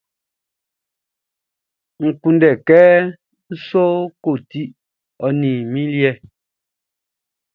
N kunndɛ sɔkɔti, ɔ ti min liɛ!